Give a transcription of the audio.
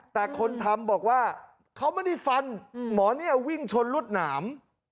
แต่คนทำบอกว่าเขาไม่ได้ฟันหมอเนี่ยวิ่งชนรวดหนาม